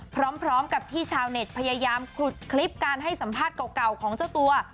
พร้อมกับที่ชาวเน็ตพยายามขุดคลิปการให้สัมภาษณ์เก่าของเจ้าตัว